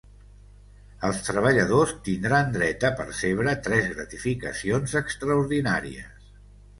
Els treballadors tindran dret a percebre tres gratificacions extraordinàries.